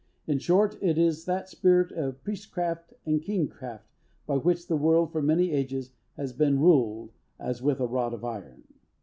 In short, it is that spirit of priestcraft and kingcraft, by which the world, for many ages, has been ruled as with a rod of iron.